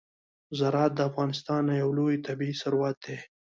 زراعت د افغانستان یو لوی طبعي ثروت دی.